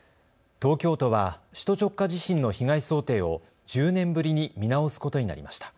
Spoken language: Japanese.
東京都は首都直下地震の被害想定を１０年ぶりに見直すことになりました。